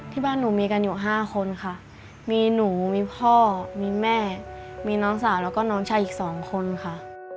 ที่บ้านหนูมีกันอยู่๕คนค่ะมีหนูมีพ่อมีแม่มีน้องสาวแล้วก็น้องชายอีก๒คนค่ะ